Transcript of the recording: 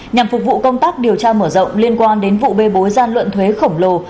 nhằm phục vụ công tác điều tra mở rộng liên quan đến vụ bê bối gian luận thuế khổng lồ